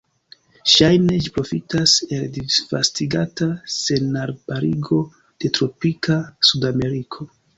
Ŝajne ĝi profitas el disvastigata senarbarigo de tropika Sudameriko.